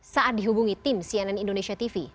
saat dihubungi tim cnn indonesia tv